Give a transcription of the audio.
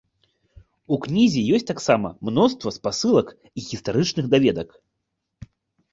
У кнізе ёсць таксама мноства спасылак і гістарычных даведак.